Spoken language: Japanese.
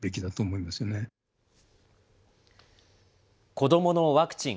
子どものワクチン。